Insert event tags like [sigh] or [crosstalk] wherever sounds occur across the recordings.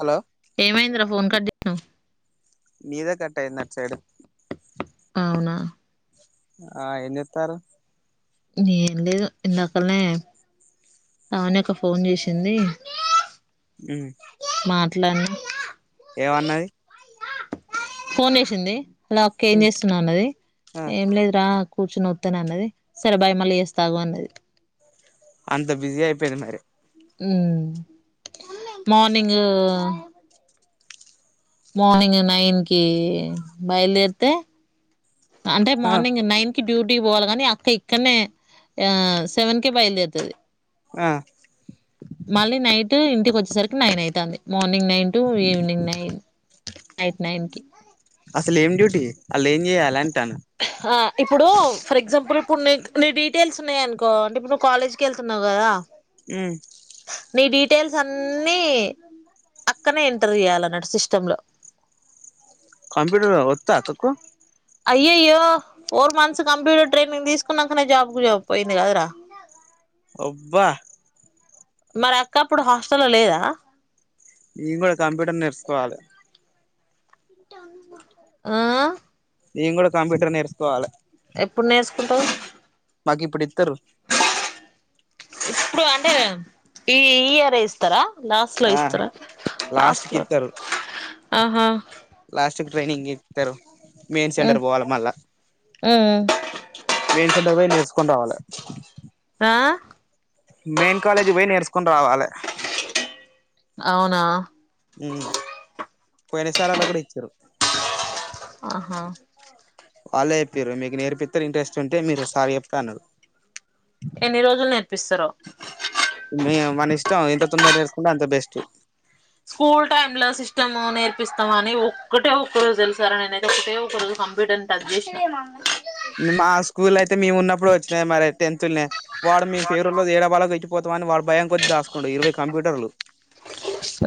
Hello ఏమైంది రా phone cut జే మీదే కట్టయింది అటు సైడు అవునా ఆ ఏం జెత్తారు ఏం లేదు యిందాకల్నే పావని అక్క ఫోన్ చేసింది ఊ మాట్లాడ్న ఏమన్నది ఫోన్ చేసింది హలో అక్క ఏంచేసున్నవ్ అన్నది ఆ ఏం లేదురా కూర్చొన్న వతనాన్నది సరే బాయ్ మళ్ళీ జేస్తా ఆగు అన్నది అంత బిజీ అయిపోయింది మరి ఊ మార్నింగూ మార్నింగ్ నైన్ కి బయలుదేరితే అంటే ఆ మార్నింగ్ నైన్ కి డ్యూటీకి పోవాల గానీ అక్క ఇక్కన్నే ఆ సెవెన్ కే బయల్దేర్తది ఆ మళ్ళీ నైటు ఇంటికొచ్చేసరికి నైన్ అయితాంది morning nine to evening nine night nine కి అసలేం డ్యూటీ ఆళ్లేం జేయ్యాలె అంటాన్న ఆ ఇప్పుడూ ఫర్ ఎగ్జాంపుల్ ఇప్పుడ్ నీ నీ డీటెయిల్స్ ఉన్నాయనుకో ఇప్పుడ్ నువ్ కాలేజ్ కెళ్తున్నావ్ గదా ఉమ్ నీ డీటెయిల్స్ అన్నీ అక్కనే ఎంటర్ జేయాల అన్నట్టు సిస్టమ్ లో కంప్యూటరూ వొత్తా అక్క కూ అయ్యయ్యో ఫోర్ మంత్స్ కంప్యూటర్ ట్రైనింగ్ దీస్కున్నాకనే జాబ్ కు పోయింది గదరా ఒబ్బా మరక్క అప్పుడు హాస్టల్లొ లేదా ఇయ్ గుడ కంప్యూటర్ నేర్సుకోవాలే ఆ నేం గుడ కంప్యూటర్ నేర్స్కోవాలె ఎప్పుడ్ నేర్స్కుంటవ్ మాకిప్పుడ్ ఇద్దరూ ఇప్పుడు అంటే ఈ ఇయరే ఇస్తరా లాస్ట్లో ఆ ఇస్తరా లాస్ట్ కి లాస్ట్లో ఆహా లాస్టుక్ ట్రైనింగ్ ఇత్తరు మెయిన్ ఉమ్. సెంటర్ పోవాల మళ్ళా ఉమ్. మెయిన్సెంటర్ బొయ్ నేర్స్కొన్ రావాల ఆ మెయిన్ కాలేజీ బొయ్ నేర్స్కొన్ రావాలే ఔనా ఉమ్ పోయినసార్ అలా గుడ ఇచ్చారు ఆహా వాళ్ళే ఎప్పిర్రు మీక్ నేర్పీత్తేర్ ఇంట్రెస్ట్ ఉంటే మీరు సార్ కెప్కో అన్నరు ఎన్ని రోజుల్ నేర్పిస్తరో మీయ్ మనిష్టం ఎంత తొందర్ జేస్కుంటే అంత బెస్టు స్కూల్ టైమ్ లో సిస్టమూ నేర్పిస్తమని ఒక్కటే ఒక్క రోజు దెలుసారా నేన్ ఐతే ఒక్కటే ఒక రోజు కంప్యూటర్ టచ్ జేష్న మా స్కూల్ ఐతే మేమున్నప్పుడు వచ్చినయ్ మరే టెన్త్ఉన్యా వాడు మీ ఫేవ్రల్లో ఏర బాళ్ళక్ బోతమని వాడ్ భయం కొద్ దాసుకుండు ఇరవై కంప్యూటర్లు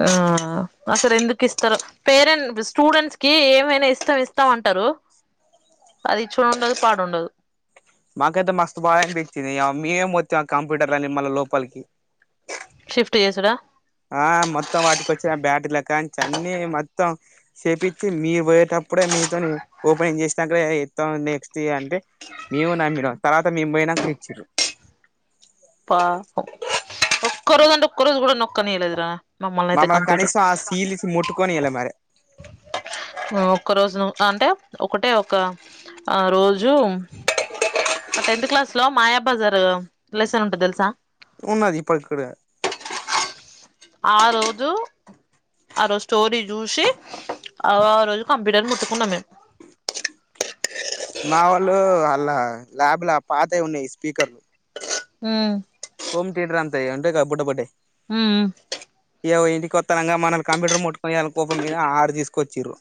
ఆఁ అసరెందుకిస్తరో పేరెంట్ స్టూడెంట్స్ కి ఏమైనా ఇస్తమ్ ఇస్తాం అంటరూ అదిచ్చో ఉండదు పాడుండదు మాకైతే మస్తు బా అన్పిచ్చింది ఇయా మీయే మోత్తి ఆ కంప్యూటర్లన్ని మల్ళ లోపల్కి షిఫ్టు జేసుడా ఆ మొత్తం వాటికొచ్చిన బ్యాటిల కాంచి అన్నీ మొత్తం సేపిత్తి మీ బోయేటప్పుడే మీతో ఓపెనింగ్ జేషినాకనే ఇత్తాం నెక్స్ట్ అంటే మేమూ నమ్మినం తర్వాత మేమ్ బోయినాక ఇచ్చిర్రు పా ఒక్క రోజ్ అంటే ఒక్క రోజ్ గుడ నొక్కనీయలేదురా మమ్మల్ని అయితే మమ్మల్న్ కంప్యూటర్ కనీసం ఆ సీలిస్ ముట్టుకోనీయలే మరి ఆ ఒక్క రోజును అంటే ఒకటే ఒక ఆ రోజు అ టెన్త్ క్లాస్ లో మాయాబజారు తె ఉంటద్ తెలుసా ఉన్నది ఇప్పటిక్కూడా ఆ రోజు ఆ రోజు స్టోరీ జూసి అగో ఆ రోజు కంప్యూటర్ ముట్టుకున్నం మేం మా వోళ్ళు ఆళ్ల ల్యాబ్ ల పాతయి ఉన్నయి స్పీకర్లు ఉమ్ హోమ్ తియేటర్ అంతయ్ అంటె గా బుడ్డ బుడ్డయ్ హ్మ్ మ్ ఇయవ్వ ఇంటికోత్తనంగా మనల్ని కంప్యూటర్ ముట్టుకొనియల్ కోపం మీద ఆరు దీసుకొచ్చిర్రు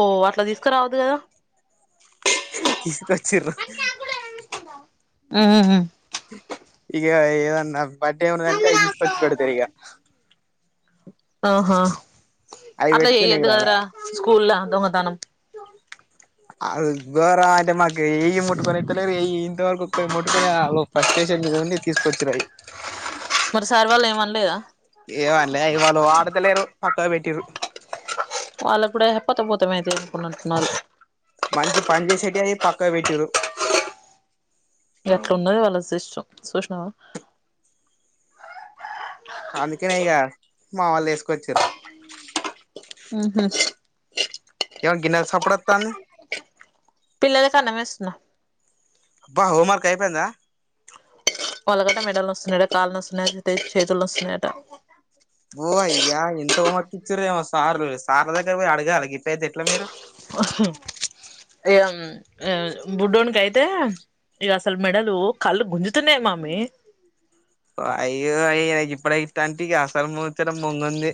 ఓ అట్ల తీసుకరావద్దు కదా తీసుకోచ్చిర్రు ఉమ్ ఉమ్ మ్ ఇగ ఏవ ఏదన్న బడ్డె ఉందంటే అయి తీసుకొచ్చి పెడతరిగ ఆహా అవి అట్ల పెట్టుకునేకి చెయ్యొద్దు రాలే కదరా స్కూల్ల దొంగతనం అది గోరమంటే మాకు ఎయ్యి ముట్టుకొనిత్తలేరు ఎయ్యి ఇంతవరకు ముట్టుకోనియాళ్ళు ఫ్రస్స్టేషన్ మీద ఉండి తీసుకొచ్చిర్రయి మరి సార్ వాళ్ళు ఏమనలేదా ఏమన్లే ఇగ వాళ్ళు వాడుతలేరు పక్కకు పెట్టిర్రు వాళ్ళక్కుడా ఎహ్ పోతేపోతేమాయేతీ అనుకున్నట్టున్నారు మంచి పనిచేసేటియయి పక్కకు పెట్టిర్రు ఇగట్లున్నది వాళ్ళ సిస్టమ్ చూస్నవా అందుకనే ఇగా మా వోళ్లేసుకొచిర్రు ఉమ్ హ్ ఏమో గిన్నెల సప్పుడత్తాంది పిల్లలకన్నమేస్తున్నా అబ్బా హోమ్వర్క్ అయిపోయిందా వాళ్ళకట మెడల్ నొస్తున్నయట, కాళ్ళు నొస్తున్నయట, టే చేతులు నొస్తున్నయట ఓ అయ్యా ఇంత హోమ్ వర్క్ ఇచ్చిర్రేమో సార్లు, సార్ల దగ్గర పోయి అడగాలె గిట్టయితే ఎట్ల మీరు ఇగ ఉమ్ బుడోన్నికయితే ఇగసలు మెడలు, కళ్ళు గుంజుతున్నయి మమ్మీ వాయ్యో అయి గిప్పుడే గిట్టంటే ఇగ అసలు ముచ్చట ముందుంది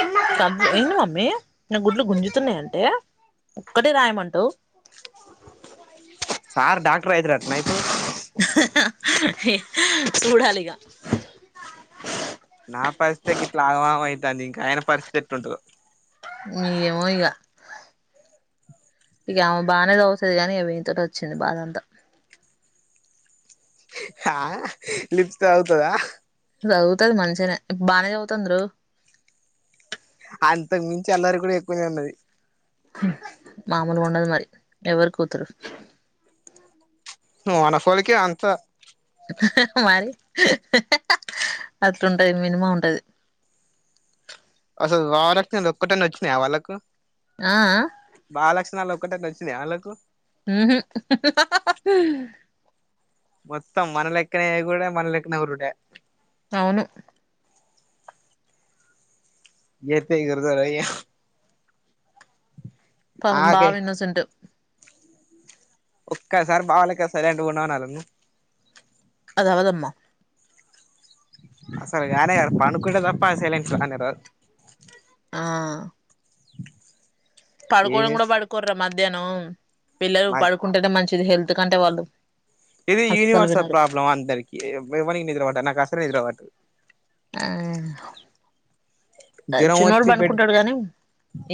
ఉమ్ సన్ ఇను మమ్మీ న గుడ్లు గుంజుతున్నయంటే ఒక్కటే రాయమంటవ్ సార్ డాక్టర్ అయితడట్నా ఇప్పుడు ఎమ్ చూడాలిగా నా పరిస్థితే గిట్ల ఆగమాగం అయితాంది ఇంక ఆయన పరిస్థితి ఎట్లుంటదో ఈ ఏమో ఇగ ఇగ ఆమే బానే సవుత్ టది గాని ఇగ వినీ తోటె వచ్చింది బాధ అంతా ఆ లిప్స్ చదువుతదా సదువుతది మంచిగనే బానే చవుతాందిరో అంతకు మించి అల్లరి కూడ ఎక్కువనే ఉన్నది ఉమ్ మామూలుగుండదు మరి ఎవరి కూతురు ను మనఫోలికే అంత మరి అట్లుంటది మినిమమ్ ఉంటది. అసలు [unintelligible] ఒక్కటైనా వచ్చినాయా వాళ్ళకు ఆ అ బాలక్షణలు ఒక్కటన వచ్చినయా వాళ్ళకు ఉహు హ మొత్తం మన లెక్కనే ఎగురుడే మన లెక్కనే ఓర్రుడే అవును ఎతే ఎగురుతరయ్య పాపం బావ ఇన్నోసెంటు ఒక్కసారి బావ లెక సైలెంట్ గా ఉన్నావు రా నువ్ అదవదమ్మా అసలు కానే కాదు పనుకుంటే తప్ప సేలేన్ట్ రానే రాదు ఆ పడుకోవడం ఏంది కూడా పడుకోరరా మధ్యాహ్నం పిల్లలు మా పడుకుంటేనే మంచిది హెల్త్ కంటే వాళ్ళు ఇది అస్సలు యూనివర్సల్ వినరు ప్రాబ్లం అందరికి ఎవరి నిద్రబడటారు నాకు అసలు నిద్ర పడదు ఆ జ్వరం చిన్నోడు వచ్చి బెడ్ పనుకుంటాడు గాని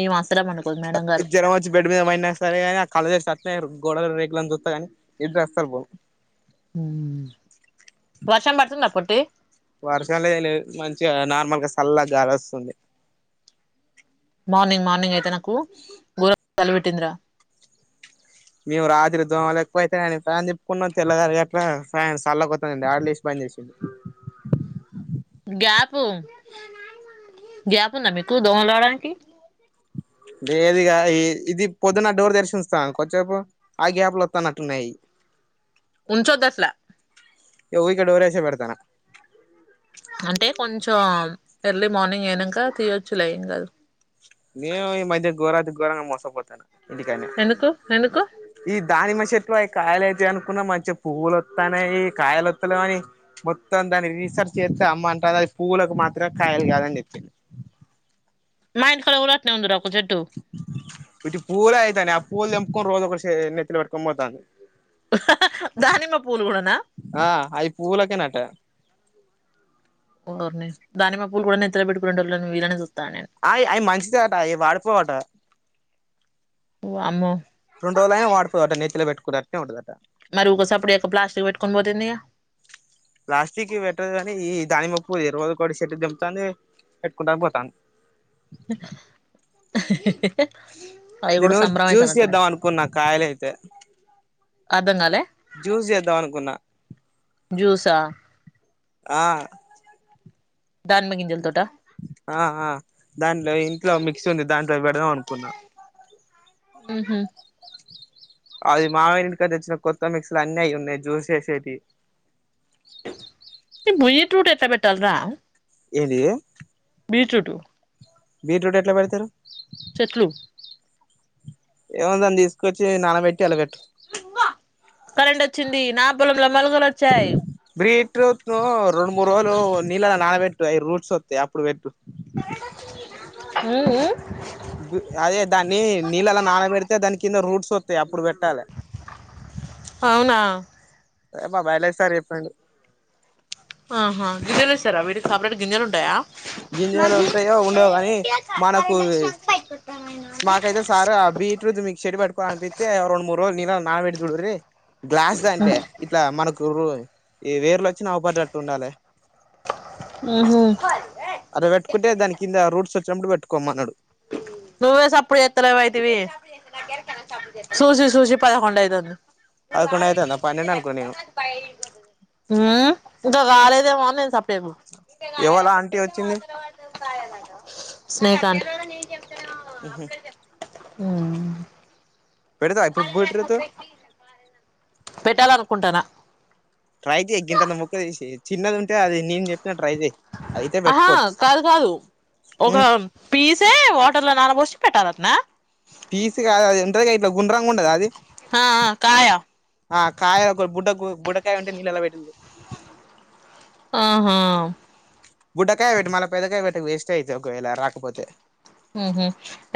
ఈమే అసలే పడుకోదు మేడం గారు జ్వరం వచ్చి బెడ్ మీద పోయిన సరే కానీ ఆ కాలేజ్లా స్ట్రక్ ఆయీలు గోడలు రేకులను చూస్తా గానీ ఇంటి వస్తారు పో మ్మ్ వర్షం పడుతుంద పొట్టి వర్షాల్ ఎం లేవు మంచిగా నార్మల్గా చల్గా గాలి వస్తుంది మార్నింగ్ మార్నింగ్ అయితే నాకు గోరంగా చలి పెట్టిందిరా మేము రాత్రి దోమలు ఎక్కువ వైతని ఫ్యాన్ తిప్పుకున్నాం. తెల్లగారు గాట్లా ఫ్యాన్ చల్లగా వస్తోంది ఆడే లేచి బంద్చేసిండు. సుడు గ్యాప్ గ్యాప్ ఉందా మీకు దోవలు పోవడానికి లేేదు ఇగ ఈ ఇది పొద్దున్న డోర్ తెరిచి ఉంచుతన కొంచెసేపు ఆ గ్యాప్ లో వత్తునటున్నాయి ఉంచ్చోదసలా ఏ ఊరికే డోర్ వేసి పెడతున్నా అంటే కొంచెం ఎర్లీ మార్నింగ్ అనాక తీయొచ్చు లే ఎం కాదు నేను ఈ మధ్య ఘోరాతి ఘోరంగా మోసపోతాను ఇంటికానే ఎందుకు ఎందుకు ఈ దానిమష ఎట్లు అవి కాయలతే అనుకున్న మంచిగా పువ్వులొత్తానేయి ఈ కాయలొత్తలే అని మొత్తం దాన్ని రీసెర్చ్ చేస్తే అమ్మ అంటారు అది పూవవులకు మాత్రమే కాయలు కాదని చెప్పింది మా ఇంటి గాడ కూడ అట్నే ఉంది రా ఒక్క చెట్టు ఇటి పూలేయితానే ఆ పూవలు తేంపుకొని రోజు ఒక నెత్తిన పెట్టుకు పోతనై దానిమ్మ పుల్లుగూడన ఆ అయి పూలకే నట్ట ఓర్నీ దానీమ్మ పూలు కూడా నెత్తిన పెట్టుకునేటోళ్లను వీళ్లనే చూస్తానా నేను అయ్ అవి మంచిదే అట అవి వాడిపోవట వామ్మో రెండు రోజులనే వాడిపోవట నెత్తిన పెట్టుకున్నట్టు అట్టే ఉండదట మరి ఒకేసప్పుడుచేయాక్క ప్లాస్టిక్ పెట్టుకుని పోతేందిగా ప్లాస్ట్వీక్ వి పెట్టదు గని ఈ దాన్నిమ్మపువ్వు రోజూకటి చెట్టుకు తెంపుతంది పెట్టుకుంటా పోతాంది అవి కూడా సంభ్రమ అయితనట్టుంది కున్న కాయలు అయితే అర్ధం కాలే జూస్ చేద్దాం అనుకున్నా జ్యూసా ఆ దానిమ్మ గింజల తోట ఆ ఆ దాంట్లో ఇంట్లో మిక్సీ ఉంది దాంట్లో పెడదం అనుకున్నాం ఉహు అది మావయ్య ఇంటికి తెచ్చిన కొత్త మిక్స్ ల అన్ని అవి ఉన్నాయి జూస్ చేసేటీవి భూయ టూట్ ఎట్ల పెట్టాలి రా ఏది బీట్రూట్ బీట్రూట్ ఎట్లా పెడతారు చెట్లు ఏముంది దాన్ని తీసుకొచ్చి నానబెట్టి అల్లపెట్టూ కరెంట్ వచ్చింది నా పొలంలో మొలకలు వచ్చాయి బీట్రూట్ లో రెండు మూడు రోజులు నీళ్ళ నాన పెట్టు అయి రూట్స్ వస్తాయి అప్పుడు పెట్టు ఉహు అదే దాన్ని నీళ్ళలా నానబెడితే దాని కింద రూట్స్ వస్తాయి అప్పుడు పెట్టాలి అవునా [unintelligible] మా బయాలజీ సార్ చెప్పిండు ఆహా గింజలు వేస్తారా వీటికి సపరేట్ గింజలు ఉంటాయా గింజలు ఉంటాయో ఉండవు గని మనకు మాకైతే సార్ ఆ బీట్ మీకు చెడి పెట్టుకోవాలనిపితే రెండు మూడు రోజులు నీళ్లలో నానబెట్టి చూడుర్రి గ్లాస్ ద అంటే ఇట్లా మనకు ఇ వేర్లోచ్చిన అవుపడట్టు ఉండాలి ఉహు అట్లా పెట్టుకుంటే దాని కింద రూట్స్ వచ్చినప్పుడు పెట్టుకోమన్నాడు నువ్వే సప్పుడు ఎత్తలేవు అయితవి సూసి సూసి పదకొండు అయితుంది పదకొండ అయితుంద పన్నెండనుకొన్న నేను గ గాలేదేమో అని సప్పే [unintelligible] ఎవలా ఆంటీ వచ్చింది [unintelligible] ఉహు ఉ పెడత ఇప్పుడు బట్రి తు పెట్టాలనుకుంటాన్న ట్రై చెయ్య గొంతంత ముక్క తీసి చిన్నది ఉంటే అది నేను చెప్పినట్టు ట్రై చెయి హా కాదు కాదు ఒక పీసే వాటర్ లో నానబోసి కట్టాలంట నా పీస్ కాదు అది ఉంటదిగా ఇట్లా గుండ్రంగా ఉండద అది ఆ ఆ కాయ ఆ కాయ ఒక బుడ్డ బుడ్డకాయ ఉంటే నీళ్ళళ్ల పెట్టు ఆహా బుడ్డకాయ పెట్టు మల పెద్దకాయ పెట్టకు వేస్ట్ అయితే ఒకవేళ రాకపోతే ఉహు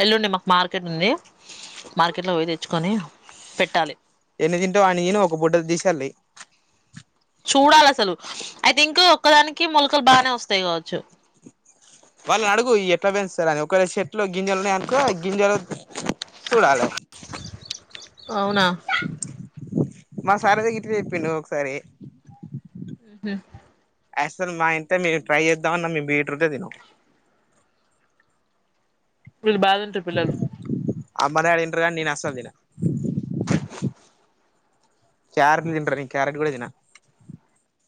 ఎల్లుండి మాకు మార్కెట్ ఉంది మార్కెట్ లో పోయి తెచ్చుకొని పెట్టాలి ఎన్ని తింటావ్ ఆని [unintelligible] ఒక పుటది తీసి అల్లేయ్ చూడాలి అసలు ఐ థింక్ ఒక్కదానికి మొలకలు బానే వస్తాయి కావచ్చు వాళ్ళని అడుగు ఎట్లా పెంచుతారు అని ఒకవేళ చె ఇందులో గింజలు ఉన్నాయ్ అనుకో గింజలు సుడాలే అవునా మా సారు అయితే ఇట్టనే చెప్పిడు ఒకసారి రా అసలు మా ఇంట్ల మేమ్ ట్రై చేద్దాం అన్న మేం బీట్రూట్టే తినం వీళ్ళు బాగోతుల్ అమ్మ నాన్న తింటారు కాని నేను అసలు తిన క్యారట్ తింటరు నేను క్యారట్ గుడా తిన